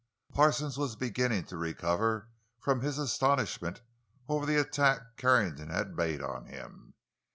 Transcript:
Parsons was beginning to recover from his astonishment over the attack Carrington had made on him.